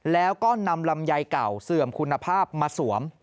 แล้วก็นำลำไยเก่าเสื่อมคุณภาพมาสวม